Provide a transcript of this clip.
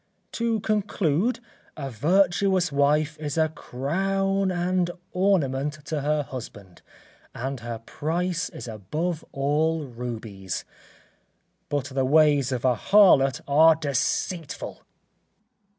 To conclude, a virtuous wife is a crown and ornament to her husband, and her price is above all rubies: but the ways of a harlot are deceitful.